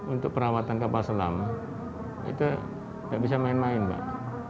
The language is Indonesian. untuk perawatan kapal selam itu nggak bisa main main mbak